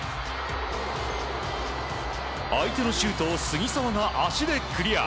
相手のシュートを杉澤が足でクリア。